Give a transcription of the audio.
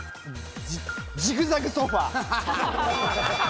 ジグザグソファ！